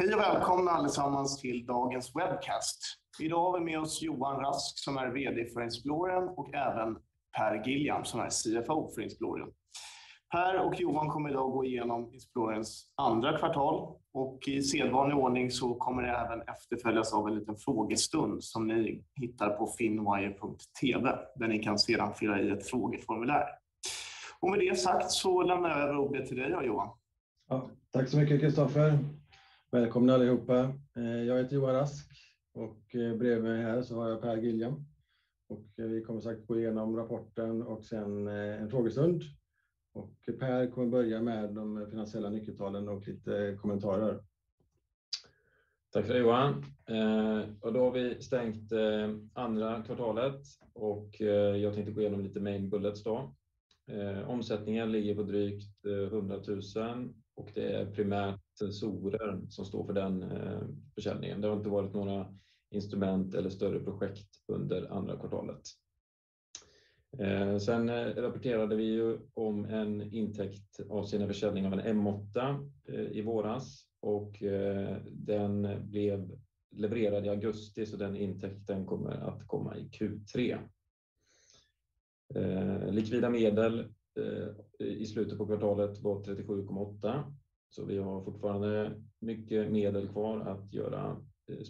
Hej och välkomna allesammans till dagens webcast. Idag har vi med oss Johan Rask som är vd för Insplorion och även Per Giljam som är CFO för Insplorion. Per och Johan kommer i dag att gå igenom Insplorion's andra kvartal och i sedvanlig ordning så kommer det även efterföljas av en liten frågestund som ni hittar på finwire.tv, där ni kan sedan fylla i ett frågeformulär. Med det sagt så lämnar jag över ordet till dig och Johan. Tack så mycket Christoffer. Välkomna allihopa. Jag heter Johan Rask och bredvid mig här så har jag Per Giljam. Vi kommer som sagt gå igenom rapporten och sen en frågestund. Per kommer att börja med de finansiella nyckeltalen och lite kommentarer. Tack för det, Johan. Då har vi stängt andra kvartalet och jag tänkte gå igenom lite main bullets då. Omsättningen ligger på drygt 100 thousand och det är primärt sensorer som står för den försäljningen. Det har inte varit några instrument eller större projekt under andra kvartalet. Vi rapporterade ju om en intäkt avseende försäljning av en M8 i våras och den blev levererad i augusti så den intäkten kommer att komma i Q3. Likvida medel i slutet på kvartalet var 37.8. Vi har fortfarande mycket medel kvar att göra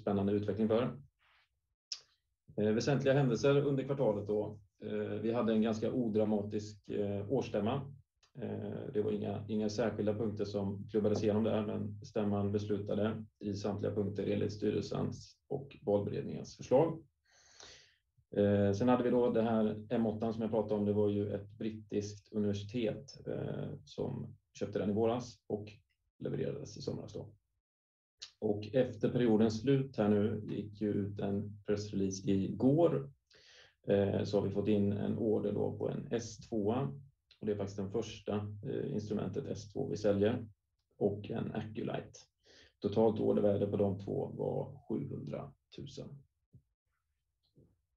spännande utveckling för. Väsentliga händelser under kvartalet då. Vi hade en ganska odramatisk årsstämma. Det var inga särskilda punkter som klubbades igenom där, men stämman beslutade i samtliga punkter enligt styrelsens och valberedningens förslag. Vi hade då det här M8:an som jag pratade om. Det var ju ett brittiskt universitet som köpte den i våras och levererades i somras då. Efter periodens slut här nu gick ju ut en pressrelease i går. Har vi fått in en order då på en S2:a. Det är faktiskt den första instrumentet S2 vi säljer och en Acoulyte. Totalt ordervärde på de två var 700,000.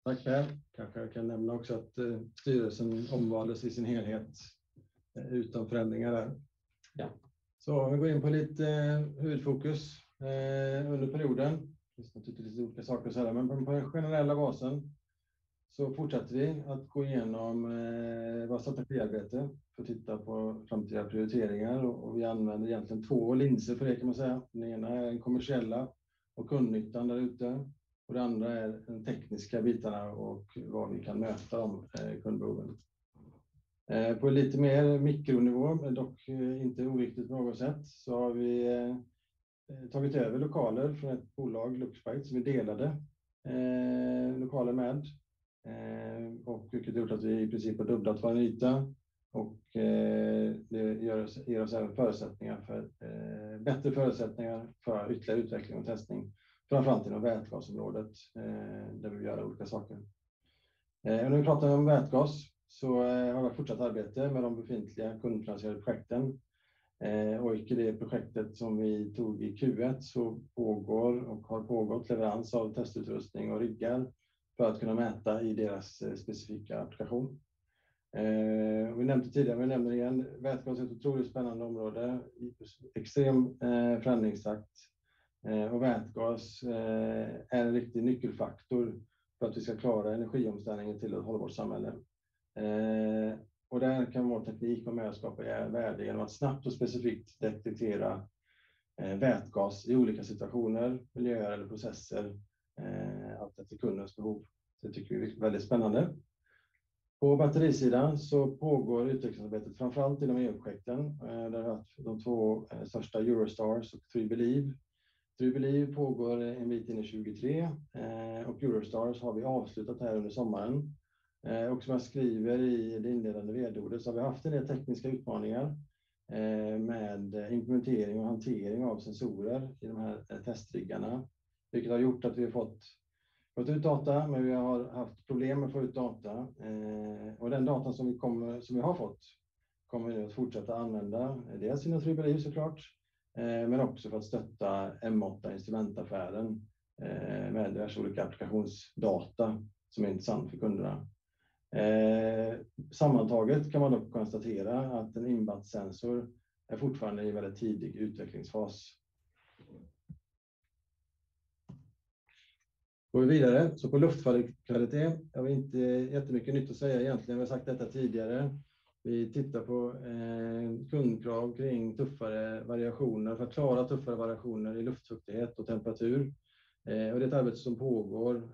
Tack Per. Kanske jag kan nämna också att styrelsen omvaldes i sin helhet utan förändringar där. Ja. Om vi går in på lite huvudfokus under perioden. Det finns naturligtvis olika saker och sådär, men på den generella basen så fortsätter vi att gå igenom vårt strategiarbete för att titta på framtida prioriteringar och vi använder egentligen två linser för det kan man säga. Den ena är den kommersiella och kundnyttan där ute och det andra är de tekniska bitarna och var vi kan möta de kundbehoven. På lite mer mikronivå, dock inte oviktigt på något sätt, så har vi tagit över lokaler från ett bolag, Luxbright, som vi delade lokaler med. Vilket har gjort att vi i princip har dubblat vår yta och det ger oss även förutsättningar för, bättre förutsättningar för ytterligare utveckling och testning. Framför allt inom vätgasområdet, där vi vill göra olika saker. När vi pratar om vätgas så har vi fortsatt arbete med de befintliga kundfinansierade projekten. Oikoo, det projektet som vi tog i Q1 så pågår och har pågått leverans av testutrustning och riggar för att kunna mäta i deras specifika applikation. Vi nämnde tidigare, men jag nämner det igen. Vätgas är ett otroligt spännande område, extrem förändringstakt. Vätgas är en riktig nyckelfaktor för att vi ska klara energiomställningen till ett hållbart samhälle. Där kan vår teknik vara med och skapa värde genom att snabbt och specifikt detektera vätgas i olika situationer, miljöer eller processer, efter kundens behov. Det tycker vi är väldigt spännande. På batterisidan så pågår utvecklingsarbetet framför allt inom EU-projekten. Där vi haft de två största Eurostars och 3beLiEVe. 3beLiEVe pågår en bit in i 2023. Eurostars har vi avslutat här under sommaren. Som jag skriver i det inledande vd-ordet så har vi haft en del tekniska utmaningar med implementering och hantering av sensorer i de här testriggarna, vilket har gjort att vi har fått ut data, men vi har haft problem med att få ut data. Och den datan som vi har fått kommer vi att fortsätta använda. Dels inom 3beLiEVe så klart, men också för att stötta M8-instrumentaffären med diverse olika applikationsdata som är intressant för kunderna. Sammantaget kan man dock konstatera att en InBAT sensor är fortfarande i väldigt tidig utvecklingsfas. Går vi vidare, så på luftkvalitet. Jag har inte jättemycket nytt att säga egentligen. Vi har sagt detta tidigare. Vi tittar på kundkrav kring tuffare variationer för att klara tuffare variationer i luftfuktighet och temperatur. Det är ett arbete som pågår,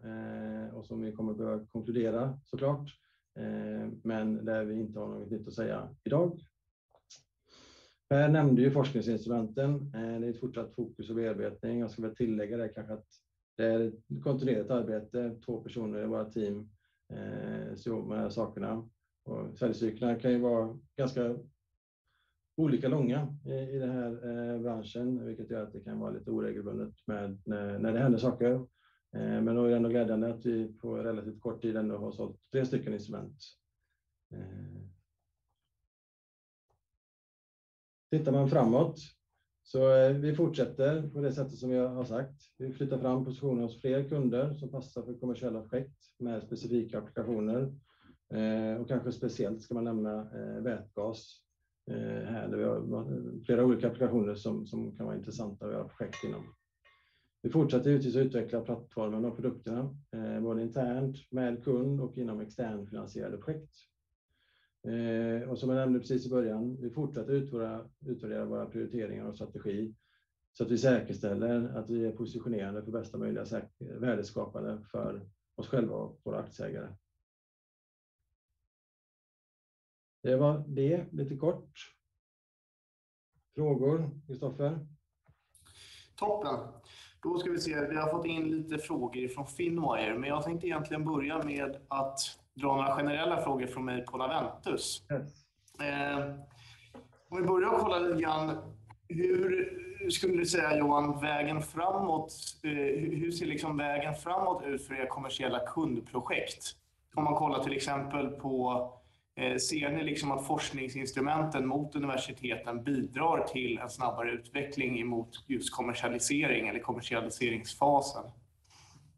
och som vi kommer behöva konkludera så klart. Där vi inte har något nytt att säga idag. Här nämnde jag forskningsinstrumenten. Det är ett fortsatt fokus och bearbetning. Jag ska väl tillägga det kanske att det är ett kontinuerligt arbete. Två personer i vårt team jobbar med de här sakerna och säljcyklarna kan ju vara ganska olika långa i den här branschen, vilket gör att det kan vara lite oregelbundet med när det händer saker. Då är det ändå glädjande att vi på relativt kort tid ändå har sålt tre stycken instrument. Tittar man framåt så vi fortsätter på det sättet som jag har sagt. Vi flyttar fram positioner hos fler kunder som passar för kommersiella objekt med specifika applikationer. Kanske speciellt ska man nämna Vätgas här där vi har flera olika applikationer som kan vara intressanta och vi har projekt inom. Vi fortsätter givetvis att utveckla plattformarna och produkterna både internt, med kund och inom externt finansierade projekt. Som jag nämnde precis i början, vi fortsätter utvärdera våra prioriteringar och strategi så att vi säkerställer att vi är positionerade för bästa möjliga värdeskapande för oss själva och våra aktieägare. Det var det lite kort. Frågor, Christoffer? Toppen. Då ska vi se. Vi har fått in lite frågor från Finwire, men jag tänkte egentligen börja med att dra några generella frågor från mig på Naventus. Om vi börjar och kollar lite grann, hur skulle du säga Johan, vägen framåt, hur ser liksom vägen framåt ut för era kommersiella kundprojekt? Om man kollar till exempel på, ser ni liksom att forskningsinstrumenten mot universiteten bidrar till en snabbare utveckling emot just kommersialisering eller kommersialiseringsfasen?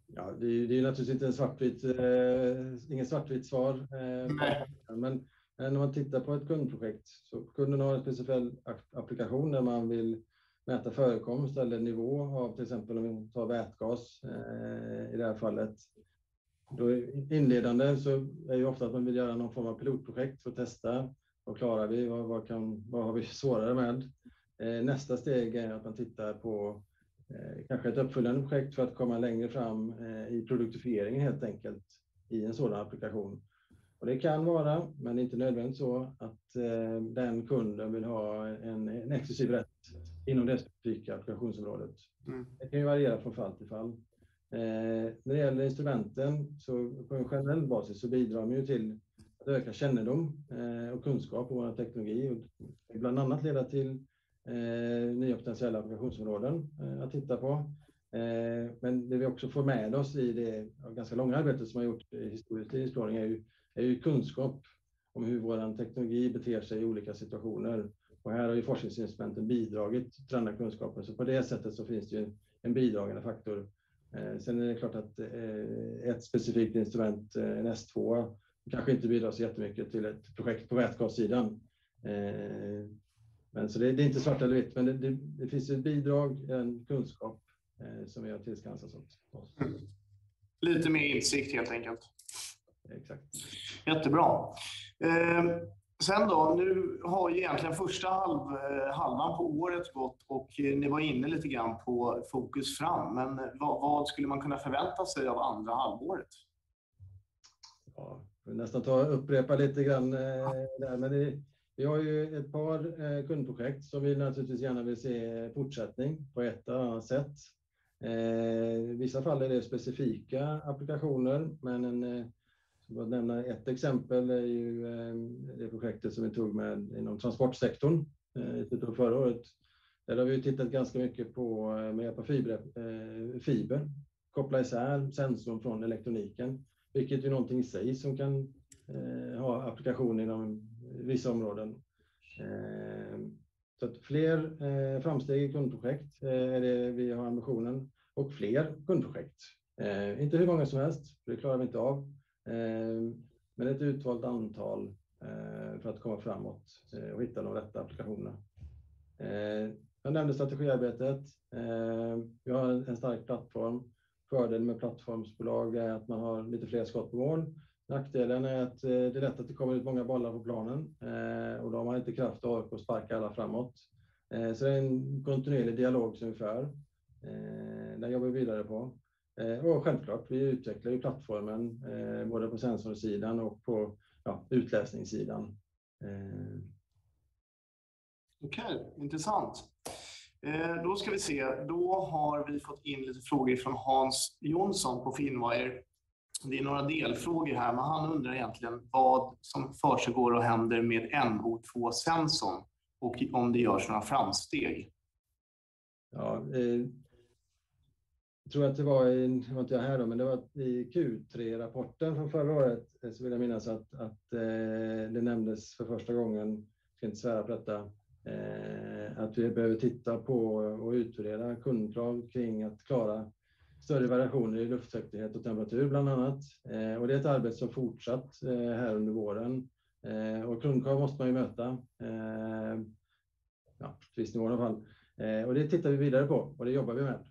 Ja, det är naturligtvis inte en svartvit, inget svartvitt svar. Men när man tittar på ett kundprojekt så kunden har en speciell applikation där man vill mäta förekomst eller nivå av till exempel om vi tar vätgas i det här fallet. Då inledande så är det ju ofta att man vill göra någon form av pilotprojekt för att testa. Vad klarar vi? Vad kan, vad har vi svårare med? Nästa steg är att man tittar på kanske ett uppföljande projekt för att komma längre fram i produktifieringen, helt enkelt, i en sådan applikation. Det kan vara, men inte nödvändigt så, att den kunden vill ha en exklusiv rätt inom det specifika applikationsområdet. Det kan ju variera från fall till fall. När det gäller instrumenten så på en generell basis så bidrar de ju till att öka kännedom och kunskap om vår teknologi och det kan bland annat leda till nya potentiella applikationsområden att titta på. Det vi också får med oss i det ganska långa arbetet som vi har gjort historiskt i explorering är ju kunskap om hur vår teknologi beter sig i olika situationer. Här har ju forskningsinstrumenten bidragit till den här kunskapen. På det sättet så finns det ju en bidragande faktor. Det är klart att ett specifikt instrument, en S2 kanske inte bidrar så jättemycket till ett projekt på vätgassidan. Det är inte svart eller vitt, men det finns ett bidrag, en kunskap som vi har tillskansat oss. Lite mer insikt helt enkelt. Exakt. Jättebra. Sen då. Nu har ju egentligen första halvan på året gått och ni var inne lite grann på fokus fram. Vad skulle man kunna förvänta sig av andra halvåret? Får nästan ta och upprepa lite grann, där, men vi har ju ett par kundprojekt som vi naturligtvis gärna vill se fortsättning på ett eller annat sätt. I vissa fall är det specifika applikationer, men ska bara nämna ett exempel är ju det projektet som vi tog med inom transportsektorn i början på förra året. Där har vi ju tittat ganska mycket på med hjälp av fiber. Koppla isär sensorn från elektroniken, vilket är någonting i sig som kan ha applikation inom vissa områden. Så att fler framsteg i kundprojekt är det vi har ambitionen och fler kundprojekt. Inte hur många som helst, det klarar vi inte av. Men ett utvalt antal för att komma framåt och hitta de rätta applikationerna. Jag nämnde strategiarbetet. Vi har en stark plattform. Fördelen med plattformsbolag är att man har lite fler skott på mål. Nackdelen är att det är lätt att det kommer lite många bollar på planen och då har man inte kraft och ork att sparka alla framåt. Så det är en kontinuerlig dialog som vi för. Den jobbar vi vidare på. Och självklart, vi utvecklar ju plattformen, både på sensorsidan och på, ja, utläsningssidan. Okej, intressant. Då ska vi se. Då har vi fått in lite frågor från Hans Jonsson på Finwire. Det är några delfrågor här, men han undrar egentligen vad som försiggår och händer med NO2-sensorn och om det görs några framsteg. Jag tror att det var i Q3-rapporten från förra året, nu var inte jag här då, så vill jag minnas att det nämndes för första gången att vi behöver titta på och utreda kundkrav kring att klara större variationer i luftfuktighet och temperatur, bland annat. Ska inte svära på detta. Det är ett arbete som fortsatt här under våren. Kundkrav måste man ju möta. Ja, två cellnivå i alla fall. Det tittar vi vidare på och det jobbar vi med.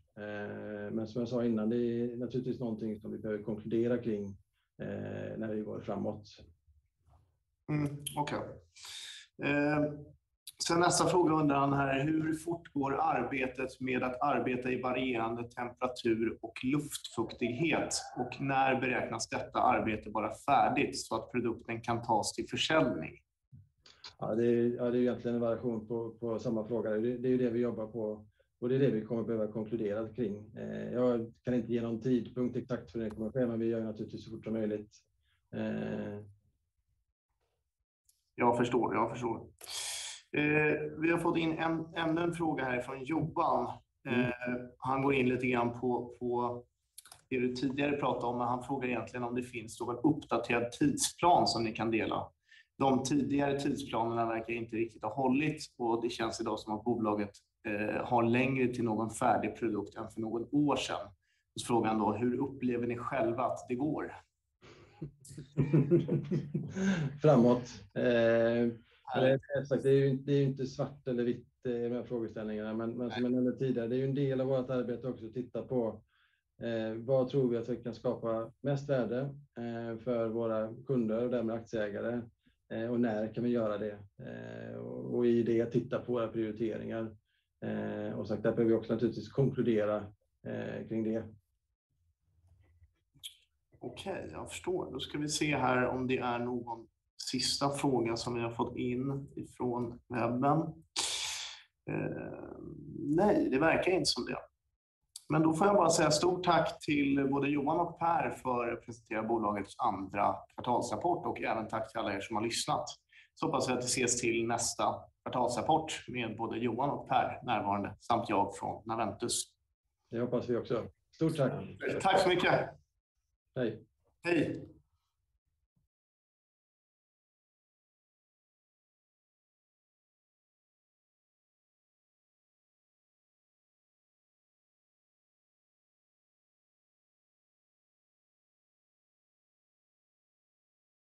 Som jag sa innan, det är naturligtvis någonting som vi behöver konkludera kring när vi går framåt. Okej. Nästa fråga undrar han här: Hur fort går arbetet med att arbeta i varierande temperatur och luftfuktighet? Och när beräknas detta arbete vara färdigt så att produkten kan tas till försäljning? Det är egentligen en variation på samma fråga. Det är ju det vi jobbar på och det är det vi kommer att behöva konkludera kring. Jag kan inte ge någon tidpunkt exakt för det kommer att ske, men vi gör det naturligtvis så fort som möjligt. Jag förstår. Vi har fått in ännu en fråga här från Johan. Han går in lite grann på det du tidigare pratade om, men han frågar egentligen om det finns någon uppdaterad tidsplan som ni kan dela. De tidigare tidsplanerna verkar inte riktigt ha hållits och det känns i dag som att bolaget har längre till någon färdig produkt än för någon år sedan. Så frågar han då: Hur upplever ni själva att det går? Framåt. Som jag sagt, det är ju inte svart eller vitt i de här frågeställningarna. Men som jag nämnde tidigare, det är ju en del av vårt arbete också att titta på, vad tror vi att vi kan skapa mest värde, för våra kunder och därmed aktieägare. När kan vi göra det. I det titta på våra prioriteringar. Som sagt, där behöver vi också naturligtvis konkludera kring det. Okej, jag förstår. Då ska vi se här om det är någon sista fråga som vi har fått in ifrån webben. Nej, det verkar inte som det. Då får jag bara säga stort tack till både Johan och Per för att presentera bolagets andra kvartalsrapport och även tack till alla er som har lyssnat. Hoppas jag att vi ses till nästa kvartalsrapport med både Johan och Per närvarande samt jag från Naventus. Det hoppas vi också. Stort tack. Tack så mycket. Hej! Hej!